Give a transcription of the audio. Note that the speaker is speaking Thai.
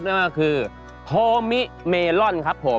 นั่นก็คือโฮมิเมลอนครับผม